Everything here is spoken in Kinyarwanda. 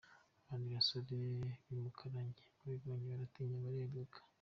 Abandi basore b’I Mukarange babibonye baratinya bareguka.